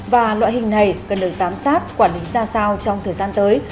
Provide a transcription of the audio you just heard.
và loại hình này cần được giám sát quản lý ra sao trong thời gian tới